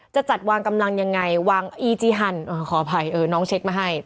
จะจัดวางกำลังยังไงวางอีจีฮันขออภัยน้องเช็คมาให้